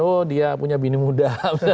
oh dia punya bini muda